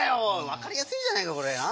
わかりやすいじゃないかこれな。